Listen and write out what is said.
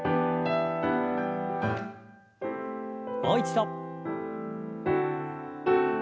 もう一度。